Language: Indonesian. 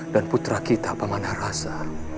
dan putra kita pamanah rasa